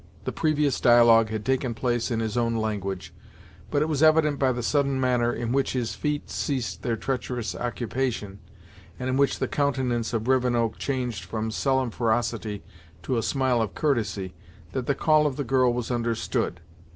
The previous dialogue had taken place in his own language, but it was evident by the sudden manner in which his feet ceased their treacherous occupation, and in which the countenance of Rivenoak changed from sullen ferocity to a smile of courtesy, that the call of the girl was understood.